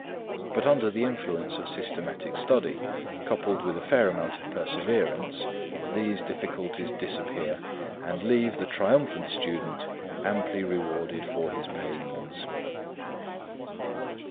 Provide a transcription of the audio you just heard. But under the influence of systematic study, coupled with a fair amount of perseverance, these difficulties disappear, and leave the triumphant student amply rewarded for his pains.